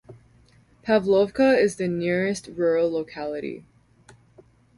Pavlovka is the nearest rural locality.